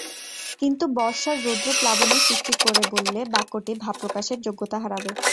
কিন্তু বর্ষার রৌদ্র প্লাবনের সৃষ্টি করে বললে বাক্যটি ভাব প্রকাশের যোগ্যতা হারাবে।